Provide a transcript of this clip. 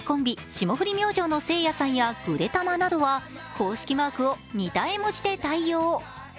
霜降り明星のせいやさんやぐでたまなどは、公式マークを似た絵文字で対応。